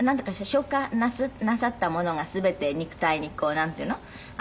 消化なさったものが全て肉体にこうなんていうの？